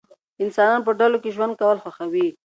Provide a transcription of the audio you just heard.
انسانان په ډلو کې ژوند کول خوښوي.